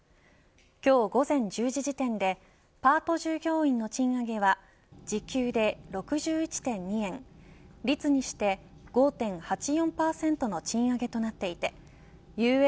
今日午前１０時時点でパート従業員の賃上げは時給で６１．２円率にして５．８４％の賃上げとなっていてＵＡ